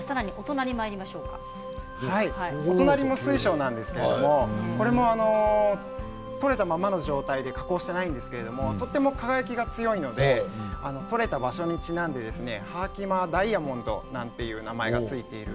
お隣も水晶なんですけれど採れたままの状態で加工していないんですけどとても、輝きが強いので採れた場所にちなんでハーキマーダイヤモンドと名前が付いています。